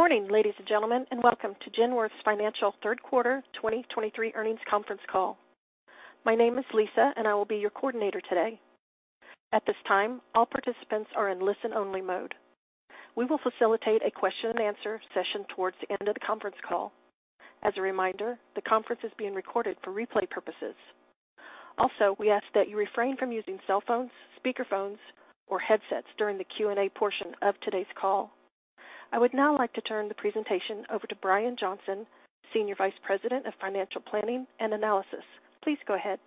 Good morning, ladies and gentlemen, and welcome to Genworth Financial third quarter 2023 earnings conference call. My name is Lisa, and I will be your coordinator today. At this time, all participants are in listen-only mode. We will facilitate a question-and-answer session towards the end of the conference call. As a reminder, the conference is being recorded for replay purposes. Also, we ask that you refrain from using cell phones, speakerphones, or headsets during the Q&A portion of today's call. I would now like to turn the presentation over to Brian Johnson, Senior Vice President of Financial Planning and Analysis. Please go ahead.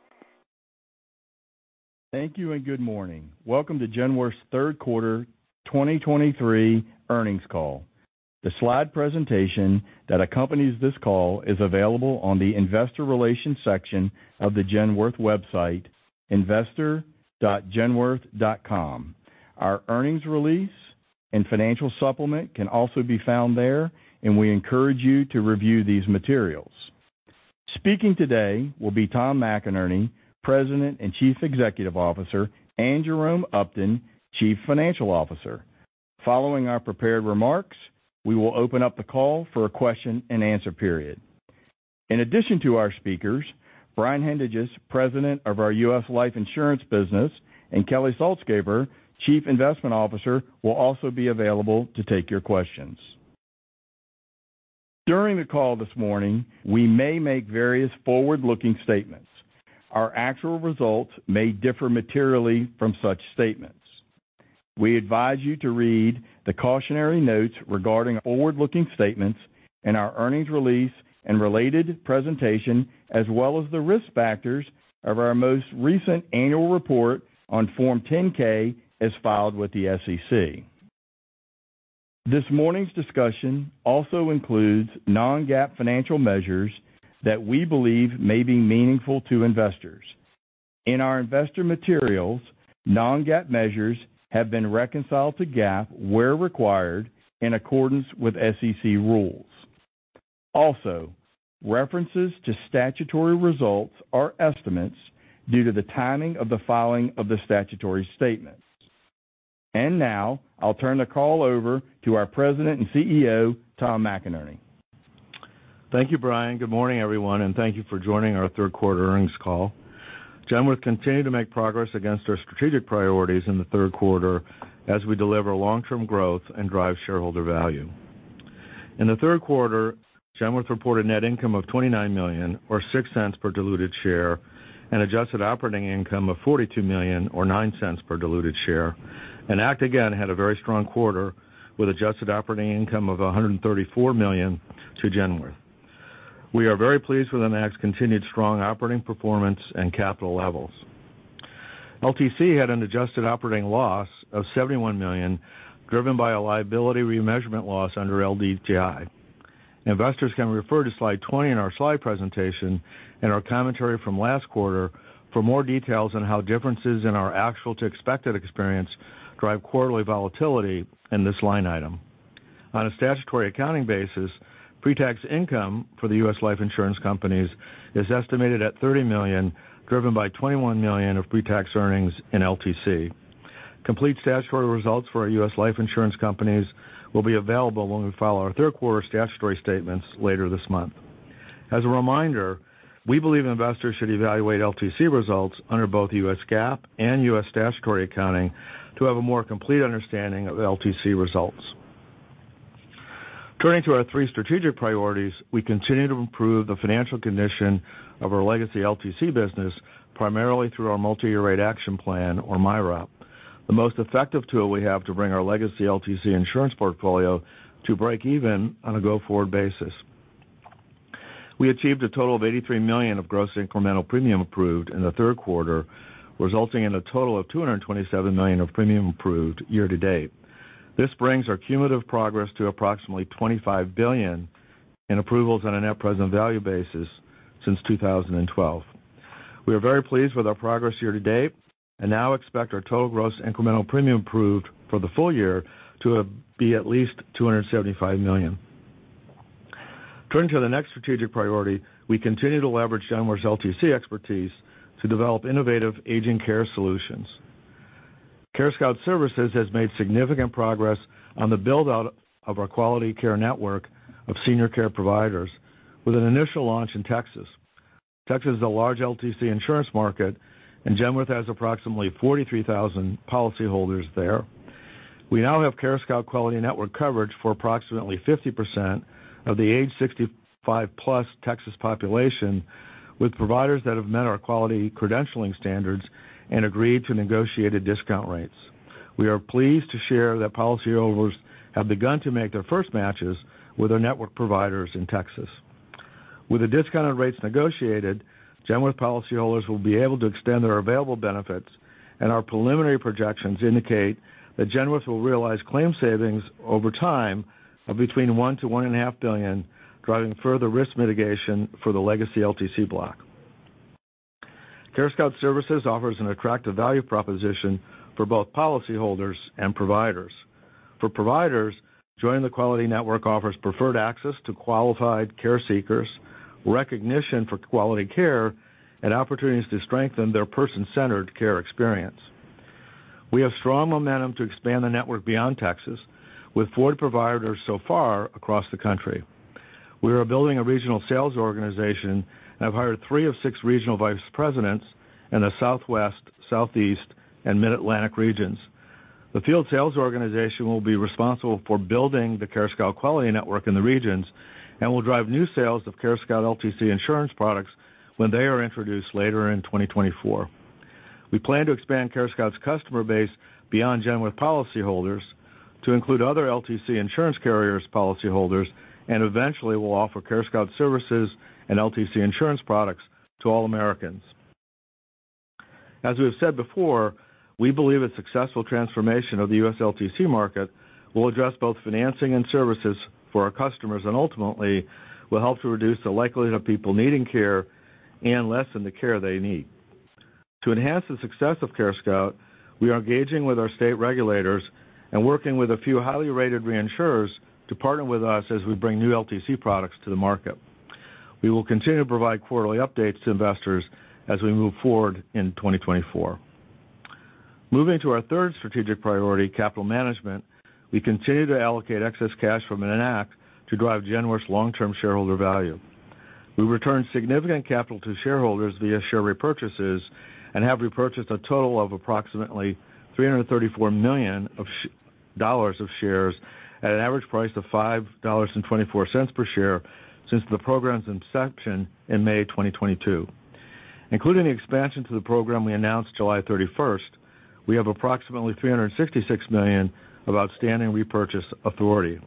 Thank you and good morning. Welcome to Genworth's third quarter 2023 earnings call. The slide presentation that accompanies this call is available on the Investor Relations section of the Genworth website, investor.genworth.com. Our earnings release and financial supplement can also be found there, and we encourage you to review these materials. Speaking today will be Tom McInerney, President and Chief Executive Officer, and Jerome Upton, Chief Financial Officer. Following our prepared remarks, we will open up the call for a question-and-answer period. In addition to our speakers, Brian Haendiges, President of our U.S. Life Insurance business, and Kelly Saltzgaber, Chief Investment Officer, will also be available to take your questions. During the call this morning, we may make various forward-looking statements. Our actual results may differ materially from such statements. We advise you to read the cautionary notes regarding forward-looking statements in our earnings release and related presentation, as well as the risk factors of our most recent annual report on Form 10-K, as filed with the SEC. This morning's discussion also includes non-GAAP financial measures that we believe may be meaningful to investors. In our investor materials, non-GAAP measures have been reconciled to GAAP, where required, in accordance with SEC rules. Also, references to statutory results are estimates due to the timing of the filing of the statutory statements. And now, I'll turn the call over to our President and CEO, Tom McInerney. Thank you, Brian. Good morning, everyone, and thank you for joining our third quarter earnings call. Genworth continued to make progress against our strategic priorities in the third quarter as we deliver long-term growth and drive shareholder value. In the third quarter, Genworth reported net income of $29 million, or $0.06 per diluted share, and adjusted operating income of $42 million, or $0.09 per diluted share, and Enact again had a very strong quarter with adjusted operating income of $134 million to Genworth. We are very pleased with the Enact's continued strong operating performance and capital levels. LTC had an adjusted operating loss of $71 million, driven by a liability remeasurement loss under LDTI. Investors can refer to slide 20 in our slide presentation and our commentary from last quarter for more details on how differences in our actual to expected experience drive quarterly volatility in this line item. On a statutory accounting basis, pretax income for the U.S. life insurance companies is estimated at $30 million, driven by $21 million of pretax earnings in LTC. Complete statutory results for our U.S. life insurance companies will be available when we file our third quarter statutory statements later this month. As a reminder, we believe investors should evaluate LTC results under both U.S. GAAP and U.S. statutory accounting to have a more complete understanding of the LTC results. Turning to our three strategic priorities, we continue to improve the financial condition of our legacy LTC business, primarily through our Multi-Year Rate Action Plan, or MYRAP, the most effective tool we have to bring our legacy LTC insurance portfolio to break even on a go-forward basis. We achieved a total of $83 million of gross incremental premium approved in the third quarter, resulting in a total of $227 million of premium approved year-to-date. This brings our cumulative progress to approximately $25 billion in approvals on a net present value basis since 2012. We are very pleased with our progress year-to-date and now expect our total gross incremental premium approved for the full year to be at least $275 million. Turning to the next strategic priority, we continue to leverage Genworth's LTC expertise to develop innovative aging care solutions. CareScout Services has made significant progress on the build-out of our Quality Care Network of senior care providers, with an initial launch in Texas. Texas is a large LTC insurance market, and Genworth has approximately 43,000 policyholders there. We now have CareScout Quality Network coverage for approximately 50% of the age 65+ Texas population, with providers that have met our quality credentialing standards and agreed to negotiated discount rates. We are pleased to share that policyholders have begun to make their first matches with our network providers in Texas. With the discounted rates negotiated, Genworth policyholders will be able to extend their available benefits, and our preliminary projections indicate that Genworth will realize claim savings over time of between $1 billion and $1.5 billion, driving further risk mitigation for the legacy LTC block. CareScout Services offers an attractive value proposition for both policyholders and providers. For providers, joining the quality network offers preferred access to qualified care seekers, recognition for quality care, and opportunities to strengthen their person-centered care experience.... We have strong momentum to expand the network beyond Texas, with four providers so far across the country. We are building a regional sales organization, and have hired three of six regional vice presidents in the Southwest, Southeast, and Mid-Atlantic regions. The field sales organization will be responsible for building the CareScout Quality Network in the regions, and will drive new sales of CareScout LTC insurance products when they are introduced later in 2024. We plan to expand CareScout's customer base beyond Genworth policyholders to include other LTC insurance carriers' policyholders, and eventually will offer CareScout Services and LTC insurance products to all Americans. As we've said before, we believe a successful transformation of the U.S. LTC market will address both financing and services for our customers, and ultimately, will help to reduce the likelihood of people needing care and lessen the care they need. To enhance the success of CareScout, we are engaging with our state regulators and working with a few highly rated reinsurers to partner with us as we bring new LTC products to the market. We will continue to provide quarterly updates to investors as we move forward in 2024. Moving to our third strategic priority, capital management, we continue to allocate excess cash from Enact to drive Genworth's long-term shareholder value. We returned significant capital to shareholders via share repurchases and have repurchased a total of approximately $334 million of dollars of shares at an average price of $5.24 per share since the program's inception in May 2022. Including the expansion to the program we announced July 31st, we have approximately $366 million of outstanding repurchase authority.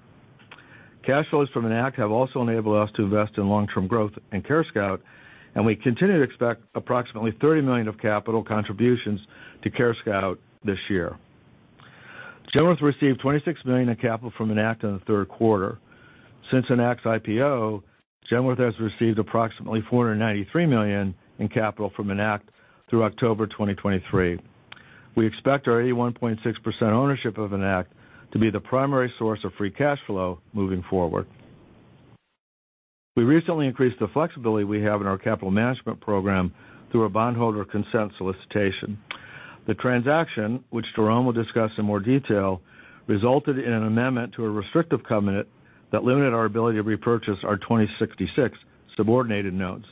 Cash flows from Enact have also enabled us to invest in long-term growth in CareScout, and we continue to expect approximately $30 million of capital contributions to CareScout this year. Genworth received $26 million in capital from Enact in the third quarter. Since Enact's IPO, Genworth has received approximately $493 million in capital from Enact through October 2023. We expect our 81.6% ownership of Enact to be the primary source of free cash flow moving forward. We recently increased the flexibility we have in our capital management program through a bondholder consent solicitation. The transaction, which Jerome will discuss in more detail, resulted in an amendment to a restrictive covenant that limited our ability to repurchase our 2026 subordinated notes.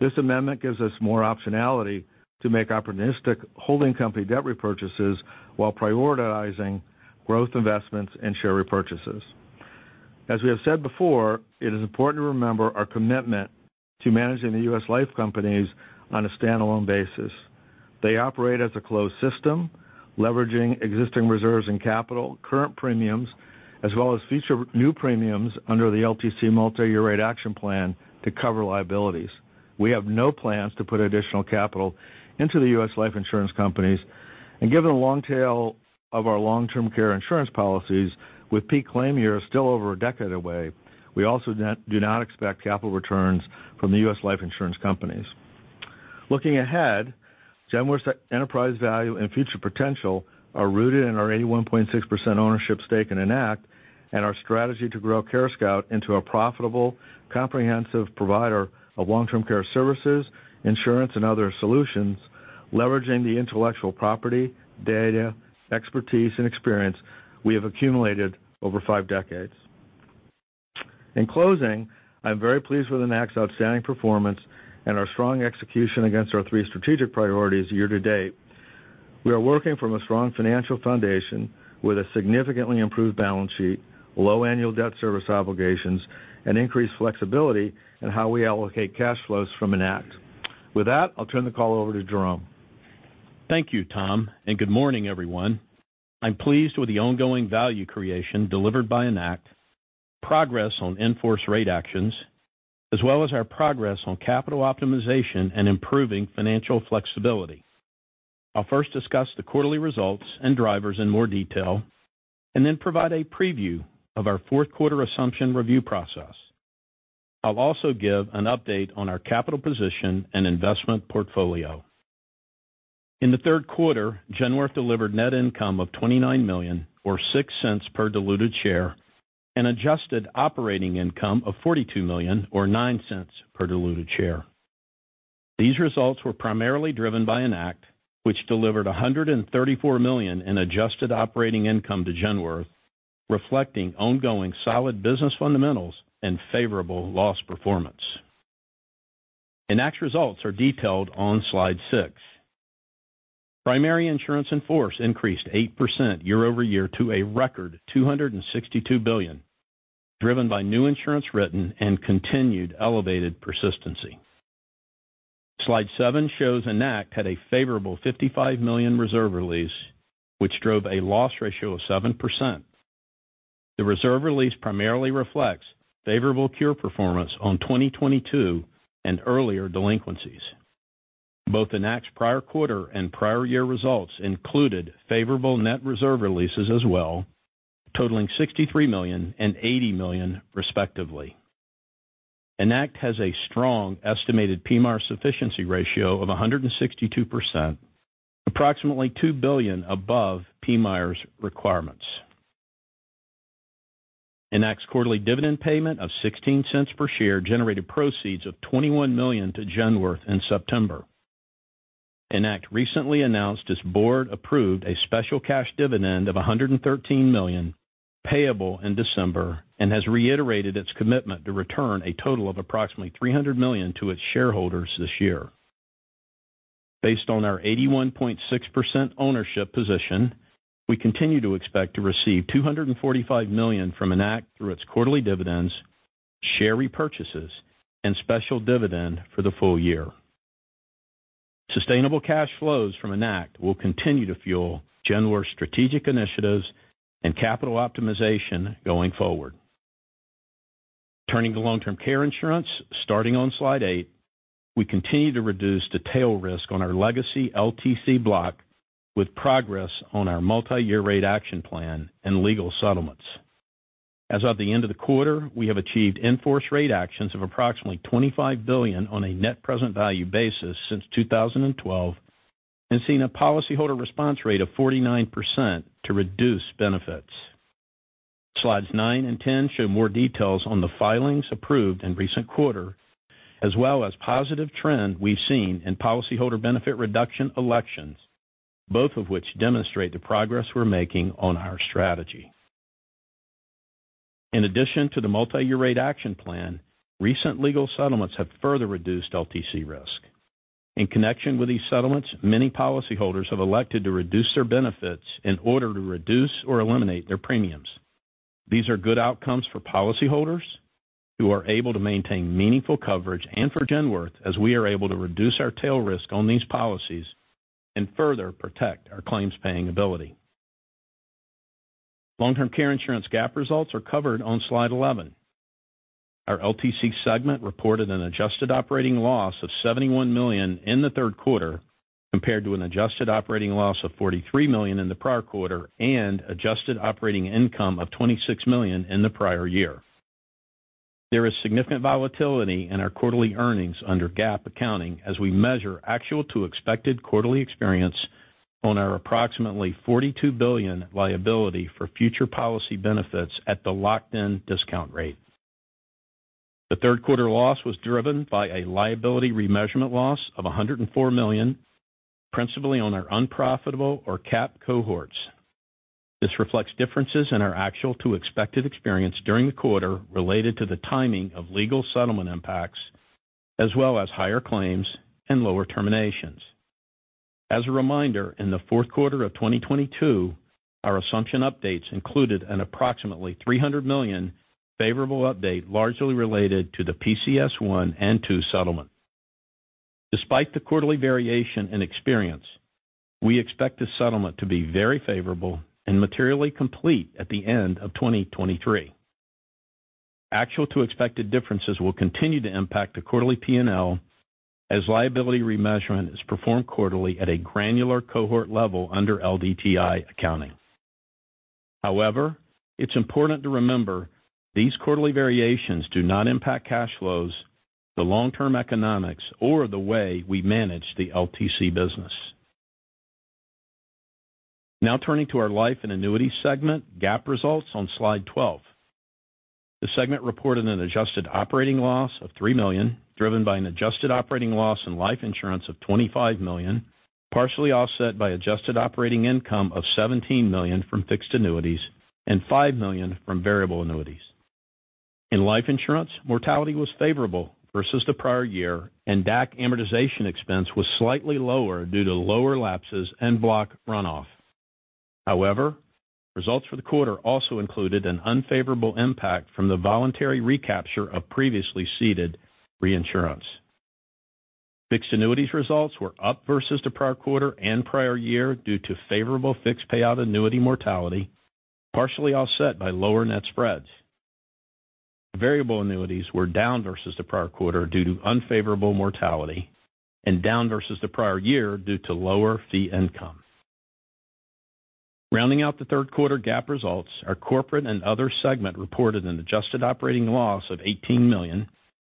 This amendment gives us more optionality to make opportunistic holding company debt repurchases while prioritizing growth, investments, and share repurchases. As we have said before, it is important to remember our commitment to managing the U.S. Life companies on a standalone basis. They operate as a closed system, leveraging existing reserves and capital, current premiums, as well as future new premiums under the LTC multi-year rate action plan to cover liabilities. We have no plans to put additional capital into the U.S. life insurance companies, and given the long tail of our long-term care insurance policies, with peak claim years still over a decade away, we also do not expect capital returns from the U.S. life insurance companies. Looking ahead, Genworth's enterprise value and future potential are rooted in our 81.6% ownership stake in Enact, and our strategy to grow CareScout into a profitable, comprehensive provider of long-term care services, insurance, and other solutions, leveraging the intellectual property, data, expertise, and experience we have accumulated over five decades. In closing, I'm very pleased with Enact's outstanding performance and our strong execution against our three strategic priorities year-to-date. We are working from a strong financial foundation with a significantly improved balance sheet, low annual debt service obligations, and increased flexibility in how we allocate cash flows from Enact. With that, I'll turn the call over to Jerome. Thank you, Tom, and good morning, everyone. I'm pleased with the ongoing value creation delivered by Enact, progress on in-force rate actions, as well as our progress on capital optimization and improving financial flexibility. I'll first discuss the quarterly results and drivers in more detail, and then provide a preview of our fourth quarter assumption review process. I'll also give an update on our capital position and investment portfolio. In the third quarter, Genworth delivered net income of $29 million, or $0.06 per diluted share, and adjusted operating income of $42 million, or $0.09 per diluted share. These results were primarily driven by Enact, which delivered $134 million in adjusted operating income to Genworth, reflecting ongoing solid business fundamentals and favorable loss performance. Enact's results are detailed on slide six. Primary insurance in force increased 8% year-over-year to a record $262 billion, driven by new insurance written and continued elevated persistency. Slide seven shows Enact had a favorable $55 million reserve release, which drove a loss ratio of 7%. The reserve release primarily reflects favorable cure performance on 2022 and earlier delinquencies. Both Enact's prior quarter and prior year results included favorable net reserve releases as well, totaling $63 million and $80 million, respectively. Enact has a strong estimated PMIERs sufficiency ratio of 162%, approximately $2 billion above PMIERs' requirements. Enact's quarterly dividend payment of $0.16 per share generated proceeds of $21 million to Genworth in September. Enact recently announced its Board approved a special cash dividend of $113 million, payable in December, and has reiterated its commitment to return a total of approximately $300 million to its shareholders this year. Based on our 81.6% ownership position, we continue to expect to receive $245 million from Enact through its quarterly dividends, share repurchases, and special dividend for the full year. Sustainable cash flows from Enact will continue to fuel Genworth's strategic initiatives and capital optimization going forward. Turning to long-term care insurance, starting on Slide eight, we continue to reduce the tail risk on our legacy LTC block, with progress on our multiyear rate action plan and legal settlements. As of the end of the quarter, we have achieved in-force rate actions of approximately $25 billion on a net present value basis since 2012, and seen a policyholder response rate of 49% to reduce benefits. Slides nine and 10 show more details on the filings approved in recent quarter, as well as positive trend we've seen in policyholder benefit reduction elections, both of which demonstrate the progress we're making on our strategy. In addition to the multiyear rate action plan, recent legal settlements have further reduced LTC risk. In connection with these settlements, many policyholders have elected to reduce their benefits in order to reduce or eliminate their premiums. These are good outcomes for policyholders, who are able to maintain meaningful coverage, and for Genworth, as we are able to reduce our tail risk on these policies and further protect our claims-paying ability. Long-term care insurance GAAP results are covered on Slide 11. Our LTC segment reported an adjusted operating loss of $71 million in the third quarter, compared to an adjusted operating loss of $43 million in the prior quarter and adjusted operating income of $26 million in the prior year. There is significant volatility in our quarterly earnings under GAAP accounting as we measure actual to expected quarterly experience on our approximately $42 billion liability for future policy benefits at the locked-in discount rate. The third quarter loss was driven by a liability remeasurement loss of $104 million, principally on our unprofitable or capped cohorts. This reflects differences in our actual to expected experience during the quarter, related to the timing of legal settlement impacts, as well as higher claims and lower terminations. As a reminder, in the fourth quarter of 2022, our assumption updates included an approximately $300 million favorable update, largely related to the PCS I and II settlement. Despite the quarterly variation and experience, we expect the settlement to be very favorable and materially complete at the end of 2023. Actual to expected differences will continue to impact the quarterly P&L, as liability remeasurement is performed quarterly at a granular cohort level under LDTI accounting. However, it's important to remember, these quarterly variations do not impact cash flows, the long-term economics, or the way we manage the LTC business. Now turning to our life and annuities segment, GAAP results on Slide 12. The segment reported an adjusted operating loss of $3 million, driven by an adjusted operating loss in life insurance of $25 million, partially offset by adjusted operating income of $17 million from fixed annuities and $5 million from variable annuities. In life insurance, mortality was favorable versus the prior year, and DAC amortization expense was slightly lower due to lower lapses and block runoff. However, results for the quarter also included an unfavorable impact from the voluntary recapture of previously ceded reinsurance. Fixed annuities results were up versus the prior quarter and prior year due to favorable fixed payout annuity mortality, partially offset by lower net spreads. Variable annuities were down versus the prior quarter due to unfavorable mortality, and down versus the prior year due to lower fee income. Rounding out the third quarter GAAP results, our corporate and other segment reported an adjusted operating loss of $18 million,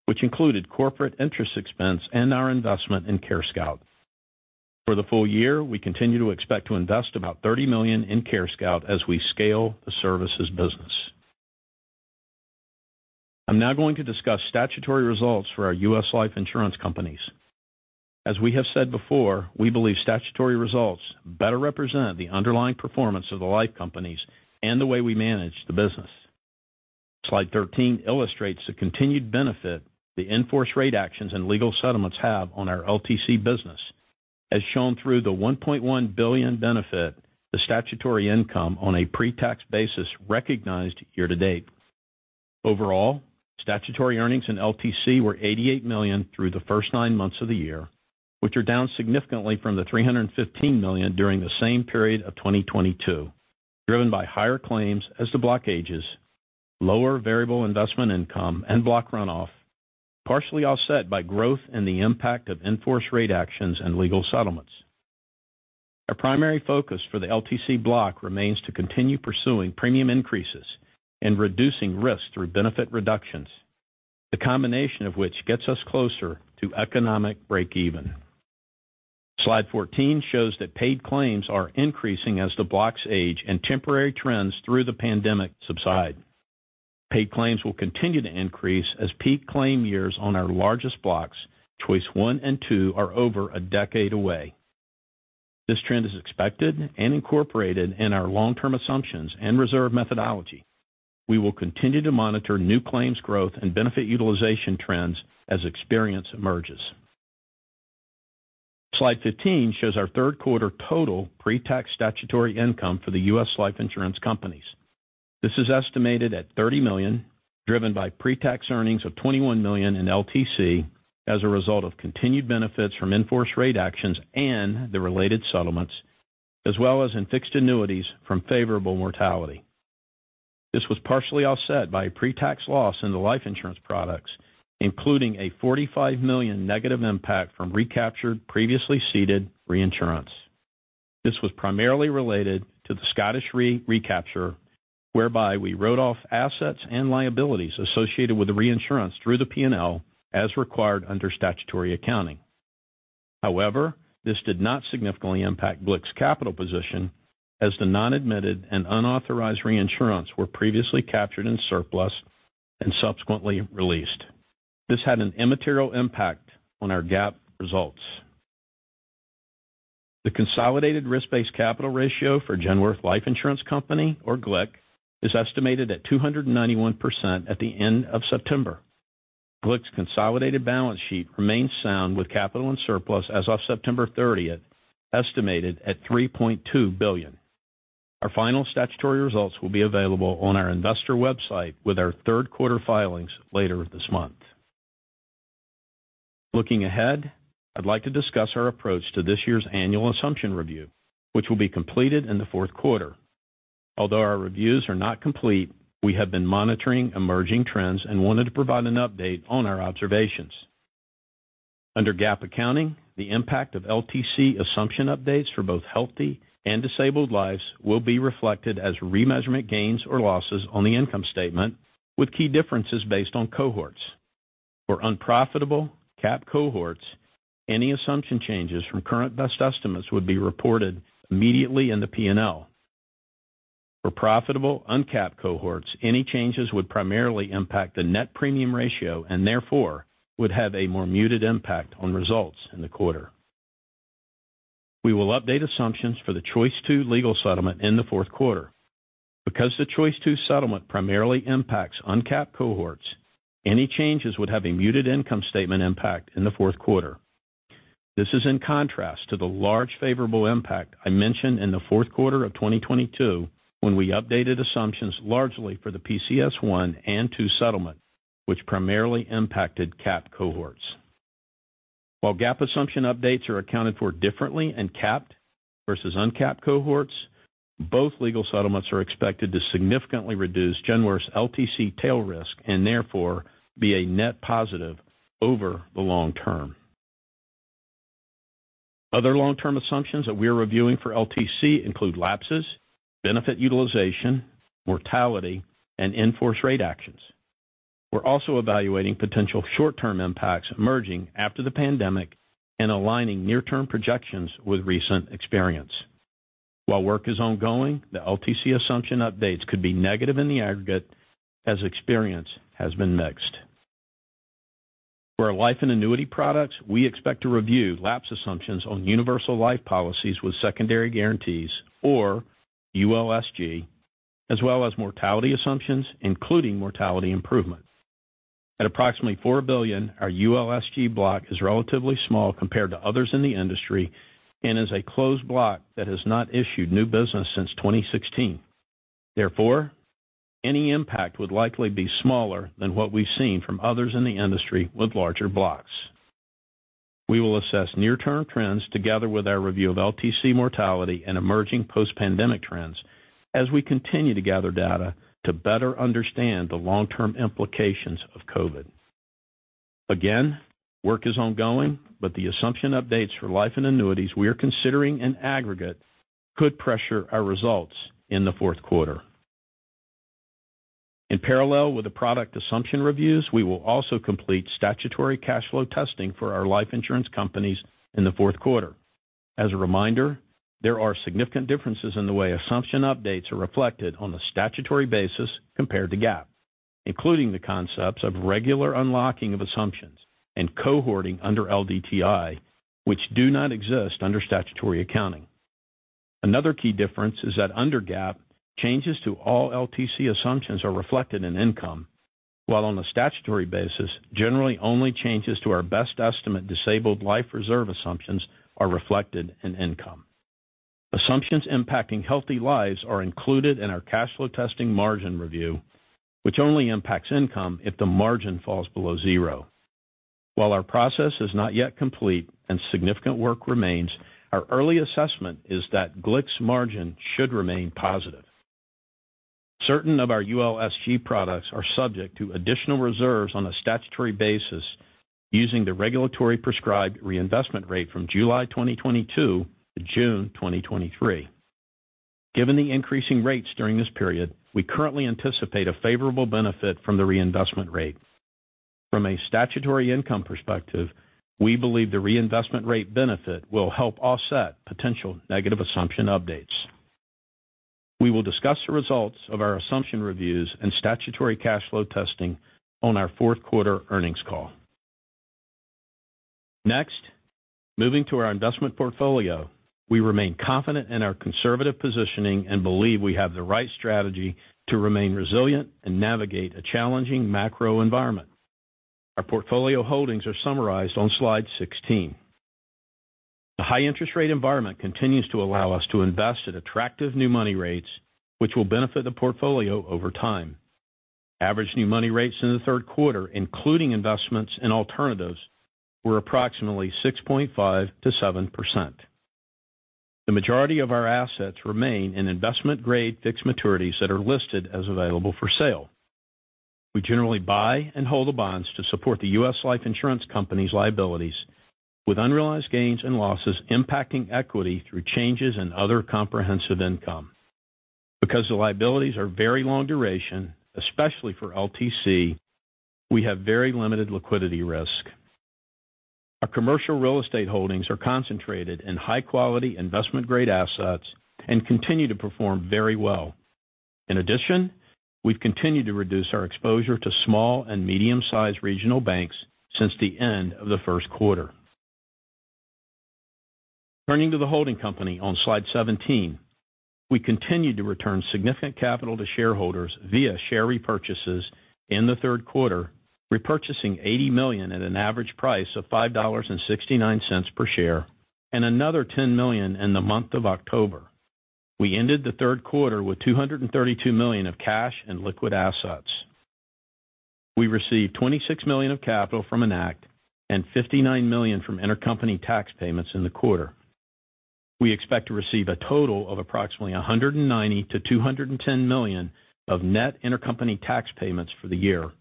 which included corporate interest expense and our investment in CareScout. For the full year, we continue to expect to invest about $30 million in CareScout as we scale the services business. I'm now going to discuss statutory results for our U.S. life insurance companies. As we have said before, we believe statutory results better represent the underlying performance of the life companies and the way we manage the business. Slide 13 illustrates the continued benefit the in-force rate actions and legal settlements have on our LTC business, as shown through the $1.1 billion benefit, the statutory income on a pre-tax basis recognized year-to-date. Overall, statutory earnings in LTC were $88 million through the first nine months of the year, which are down significantly from the $315 million during the same period of 2022, driven by higher claims as the block ages, lower variable investment income and block runoff, partially offset by growth and the impact of in-force rate actions and legal settlements. Our primary focus for the LTC block remains to continue pursuing premium increases and reducing risk through benefit reductions, the combination of which gets us closer to economic break-even. Slide 14 shows that paid claims are increasing as the blocks age and temporary trends through the pandemic subside. Paid claims will continue to increase as peak claim years on our largest blocks, Choice I and II, are over a decade away. This trend is expected and incorporated in our long-term assumptions and reserve methodology. We will continue to monitor new claims growth and benefit utilization trends as experience emerges. Slide 15 shows our third quarter total pre-tax statutory income for the U.S. life insurance companies. This is estimated at $30 million, driven by pre-tax earnings of $21 million in LTC as a result of continued benefits from in-force rate actions and the related settlements, as well as in fixed annuities from favorable mortality. This was partially offset by a pre-tax loss in the life insurance products, including a $45 million negative impact from recaptured previously ceded reinsurance. This was primarily related to the Scottish Re recapture, whereby we wrote off assets and liabilities associated with the reinsurance through the P&L, as required under statutory accounting. However, this did not significantly impact GLIC's capital position, as the non-admitted and unauthorized reinsurance were previously captured in surplus and subsequently released. This had an immaterial impact on our GAAP results. The consolidated risk-based capital ratio for Genworth Life Insurance Company, or GLIC, is estimated at 291% at the end of September. GLIC's consolidated balance sheet remains sound, with capital and surplus as of September thirtieth, estimated at $3.2 billion. Our final statutory results will be available on our investor website with our third quarter filings later this month. Looking ahead, I'd like to discuss our approach to this year's annual assumption review, which will be completed in the fourth quarter. Although our reviews are not complete, we have been monitoring emerging trends and wanted to provide an update on our observations. Under GAAP accounting, the impact of LTC assumption updates for both healthy and disabled lives will be reflected as remeasurement gains or losses on the income statement, with key differences based on cohorts. For unprofitable capped cohorts, any assumption changes from current best estimates would be reported immediately in the P&L. For profitable uncapped cohorts, any changes would primarily impact the net premium ratio and therefore would have a more muted impact on results in the quarter. We will update assumptions for the Choice II legal settlement in the fourth quarter. Because the Choice II settlement primarily impacts uncapped cohorts, any changes would have a muted income statement impact in the fourth quarter. This is in contrast to the large favorable impact I mentioned in the fourth quarter of 2022, when we updated assumptions largely for the PCS I and II settlement, which primarily impacted capped cohorts. While GAAP assumption updates are accounted for differently in capped versus uncapped cohorts, both legal settlements are expected to significantly reduce Genworth's LTC tail risk and therefore be a net positive over the long term. Other long-term assumptions that we are reviewing for LTC include lapses, benefit utilization, mortality, and in-force rate actions. We're also evaluating potential short-term impacts emerging after the pandemic and aligning near-term projections with recent experience. While work is ongoing, the LTC assumption updates could be negative in the aggregate, as experience has been mixed. For our life and annuity products, we expect to review lapse assumptions on universal life policies with secondary guarantees, or ULSG, as well as mortality assumptions, including mortality improvement. At approximately $4 billion, our ULSG block is relatively small compared to others in the industry and is a closed block that has not issued new business since 2016. Therefore, any impact would likely be smaller than what we've seen from others in the industry with larger blocks. We will assess near-term trends together with our review of LTC mortality and emerging post-pandemic trends as we continue to gather data to better understand the long-term implications of COVID. Again, work is ongoing, but the assumption updates for life and annuities we are considering in aggregate could pressure our results in the fourth quarter. In parallel with the product assumption reviews, we will also complete statutory cash flow testing for our life insurance companies in the fourth quarter. As a reminder, there are significant differences in the way assumption updates are reflected on a statutory basis compared to GAAP, including the concepts of regular unlocking of assumptions and cohorting under LDTI, which do not exist under statutory accounting. Another key difference is that under GAAP, changes to all LTC assumptions are reflected in income, while on a statutory basis, generally only changes to our best estimate disabled life reserve assumptions are reflected in income. Assumptions impacting healthy lives are included in our cash flow testing margin review, which only impacts income if the margin falls below zero. While our process is not yet complete and significant work remains, our early assessment is that GLIC's margin should remain positive. Certain of our ULSG products are subject to additional reserves on a statutory basis using the regulatory prescribed reinvestment rate from July 2022 to June 2023.... Given the increasing rates during this period, we currently anticipate a favorable benefit from the reinvestment rate. From a statutory income perspective, we believe the reinvestment rate benefit will help offset potential negative assumption updates. We will discuss the results of our assumption reviews and statutory cash flow testing on our fourth quarter earnings call. Next, moving to our investment portfolio, we remain confident in our conservative positioning and believe we have the right strategy to remain resilient and navigate a challenging macro environment. Our portfolio holdings are summarized on slide 16. The high interest rate environment continues to allow us to invest at attractive new money rates, which will benefit the portfolio over time. Average new money rates in the third quarter, including investments in alternatives, were approximately 6.5%-7%. The majority of our assets remain in investment-grade fixed maturities that are listed as available for sale. We generally buy and hold the bonds to support the U.S. life insurance companies' liabilities, with unrealized gains and losses impacting equity through changes in other comprehensive income. Because the liabilities are very long duration, especially for LTC, we have very limited liquidity risk. Our commercial real estate holdings are concentrated in high-quality, investment-grade assets and continue to perform very well. In addition, we've continued to reduce our exposure to small and medium-sized regional banks since the end of the first quarter. Turning to the holding company on slide 17, we continued to return significant capital to shareholders via share repurchases in the third quarter, repurchasing $80 million at an average price of $5.69 per share, and another $10 million in the month of October. We ended the third quarter with $232 million of cash and liquid assets. We received $26 million of capital from Enact and $59 million from intercompany tax payments in the quarter. We expect to receive a total of approximately $190 million-$210 million of net intercompany tax payments for the year.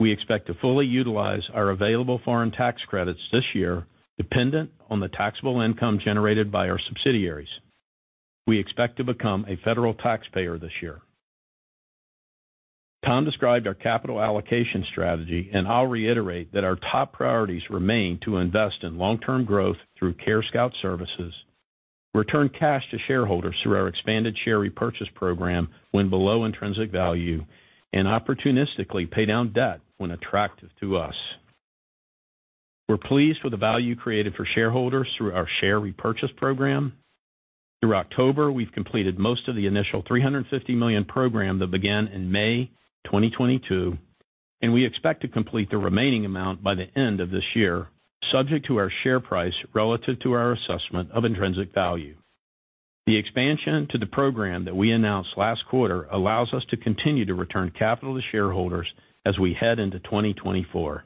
We expect to fully utilize our available foreign tax credits this year, dependent on the taxable income generated by our subsidiaries. We expect to become a federal taxpayer this year. Tom described our capital allocation strategy, and I'll reiterate that our top priorities remain to invest in long-term growth through CareScout Services, return cash to shareholders through our expanded share repurchase program when below intrinsic value, and opportunistically pay down debt when attractive to us. We're pleased with the value created for shareholders through our share repurchase program. Through October, we've completed most of the initial $350 million program that began in May 2022, and we expect to complete the remaining amount by the end of this year, subject to our share price relative to our assessment of intrinsic value. The expansion to the program that we announced last quarter allows us to continue to return capital to shareholders as we head into 2024.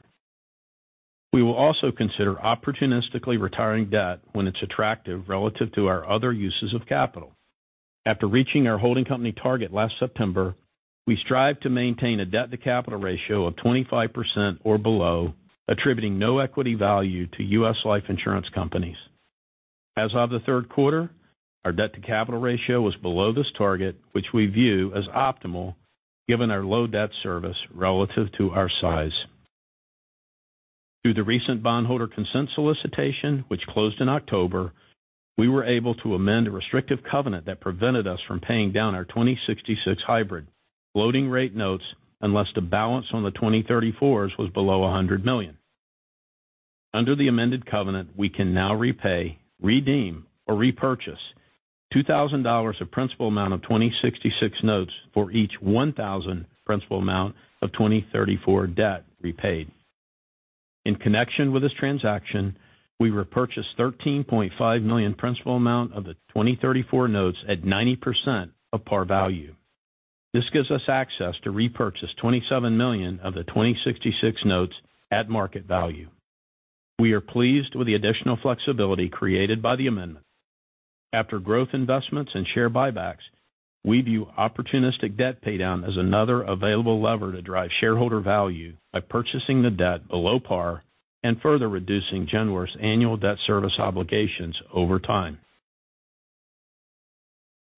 We will also consider opportunistically retiring debt when it's attractive relative to our other uses of capital. After reaching our holding company target last September, we strive to maintain a debt-to-capital ratio of 25% or below, attributing no equity value to U.S. life insurance companies. As of the third quarter, our debt-to-capital ratio was below this target, which we view as optimal given our low debt service relative to our size. Through the recent bondholder consent solicitation, which closed in October, we were able to amend a restrictive covenant that prevented us from paying down our 2026 hybrid floating rate notes, unless the balance on the 2034s was below $100 million. Under the amended covenant, we can now repay, redeem, or repurchase $2,000 of principal amount of 2026 notes for each $1,000 principal amount of 2034 debt repaid. In connection with this transaction, we repurchased $13.5 million principal amount of the 2034 notes at 90% of par value. This gives us access to repurchase $27 million of the 2026 notes at market value. We are pleased with the additional flexibility created by the amendment. After growth investments and share buybacks, we view opportunistic debt paydown as another available lever to drive shareholder value by purchasing the debt below par and further reducing Genworth's annual debt service obligations over time.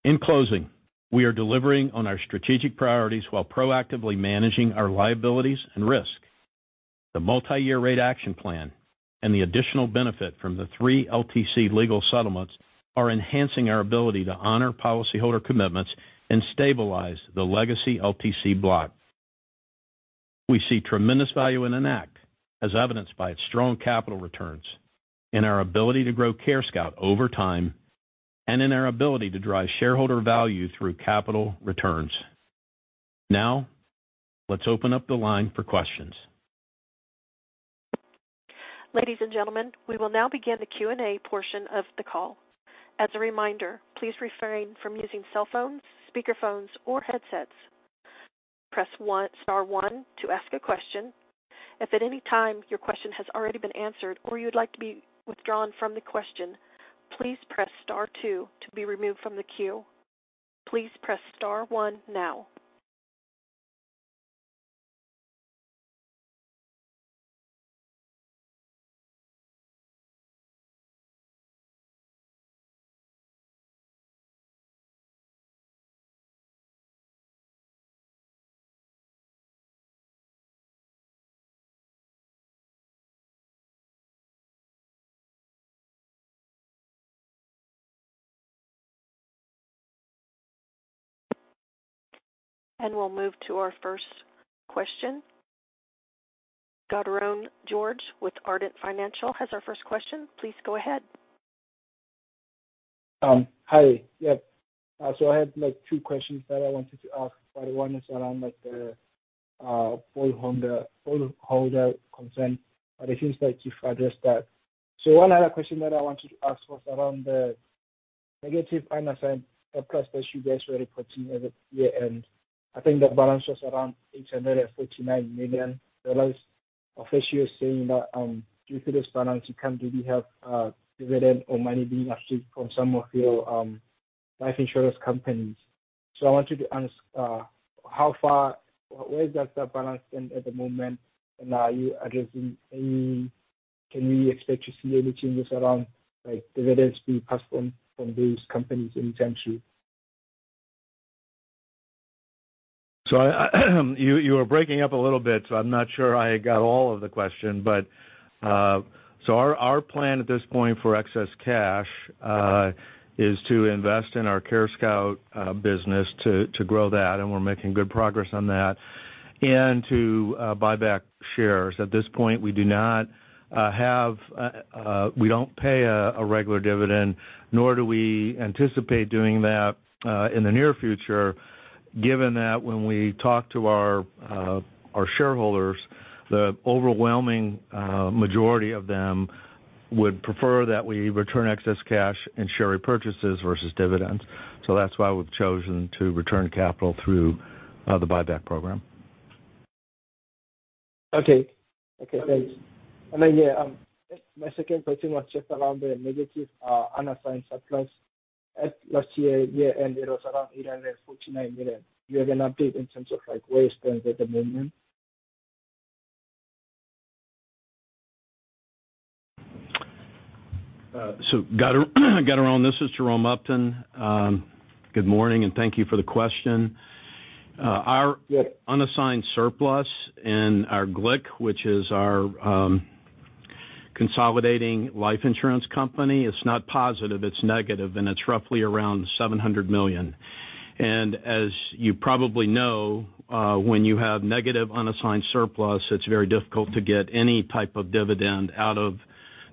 In closing, we are delivering on our strategic priorities while proactively managing our liabilities and risk. The multi-year rate action plan and the additional benefit from the three LTC legal settlements are enhancing our ability to honor policyholder commitments and stabilize the legacy LTC block. We see tremendous value in Enact, as evidenced by its strong capital returns and our ability to grow CareScout over time, and in our ability to drive shareholder value through capital returns. Now, let's open up the line for questions. Ladies and gentlemen, we will now begin the Q&A portion of the call. As a reminder, please refrain from using cell phones, speakerphones, or headsets. Press one, star one to ask a question. If at any time your question has already been answered or you'd like to be withdrawn from the question, please press star two to be removed from the queue. Please press star one now.... We'll move to our question. [Godrone George] with Ardent Financial has our first question. Please go ahead. Hi. Yes. So I had, like, two questions that I wanted to ask, but one is around, like, the shareholder concern, but it seems like you've addressed that. So one other question that I wanted to ask was around the negative unassigned surplus that you guys were reporting at the year-end. I think the balance was around $849 million. Officially saying that, due to this balance, you can't really have dividend or money being received from some of your life insurance companies. So I wanted to ask, where is that balance at the moment, and are you addressing any - can we expect to see any changes around, like, dividends being passed on from those companies anytime soon? So, you were breaking up a little bit, so I'm not sure I got all of the question, but so our plan at this point for excess cash is to invest in our CareScout business to grow that, and we're making good progress on that, and to buy back shares. At this point, we do not have, we don't pay a regular dividend, nor do we anticipate doing that in the near future, given that when we talk to our shareholders, the overwhelming majority of them would prefer that we return excess cash in share repurchases versus dividends. So that's why we've chosen to return capital through the buyback program. Okay. Okay, thanks. And then, yeah, my second question was just around the negative unassigned surplus. At last year, year-end, it was around $849 million. Do you have an update in terms of, like, where it stands at the moment? So, Gadara, this is Jerome Upton. Good morning, and thank you for the question. Our unassigned surplus in our GLIC, which is our consolidating life insurance company, it's not positive, it's negative, and it's roughly around $700 million. And as you probably know, when you have negative unassigned surplus, it's very difficult to get any type of dividend out of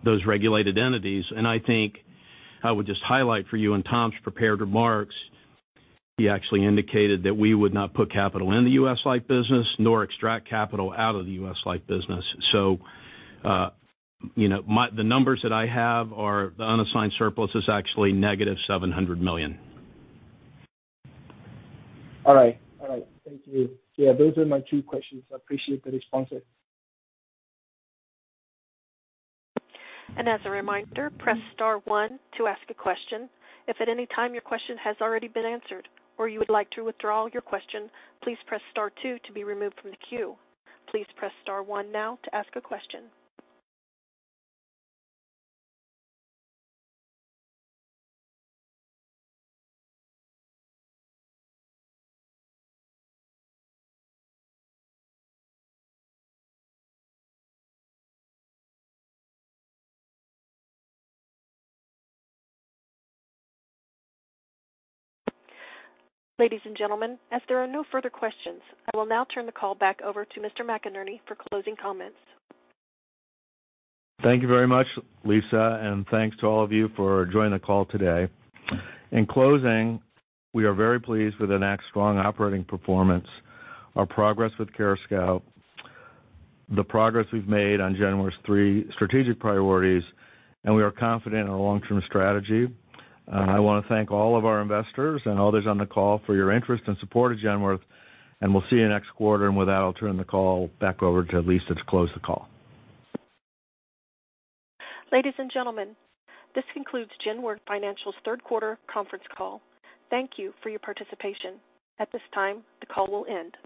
those regulated entities. And I think I would just highlight for you, in Tom's prepared remarks, he actually indicated that we would not put capital in the U.S. Life business nor extract capital out of the U.S. Life business. So, you know, the numbers that I have are the unassigned surplus is actually negative $700 million. All right. All right, thank you. Yeah, those are my two questions. I appreciate the responses. As a reminder, press star one to ask a question. If at any time your question has already been answered or you would like to withdraw your question, please press star two to be removed from the queue. Please press star one now to ask a question. Ladies and gentlemen, as there are no further questions, I will now turn the call back over to Mr. McInerney for closing comments. Thank you very much, Lisa, and thanks to all of you for joining the call today. In closing, we are very pleased with the next strong operating performance, our progress with CareScout, the progress we've made on Genworth's three strategic priorities, and we are confident in our long-term strategy. I want to thank all of our investors and others on the call for your interest and support of Genworth, and we'll see you next quarter. With that, I'll turn the call back over to Lisa to close the call. Ladies and gentlemen, this concludes Genworth Financial's third quarter conference call. Thank you for your participation. At this time, the call will end.